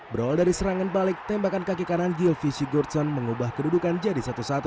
berolah dari serangan balik tembakan kaki kanan gil vigigurdson mengubah kedudukan jadi satu satu